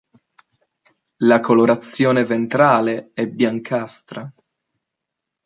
La colorazione ventrale è biancastra.